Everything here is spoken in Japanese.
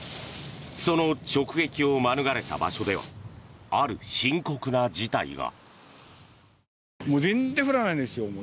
その直撃を免れた場所ではある深刻な事態が。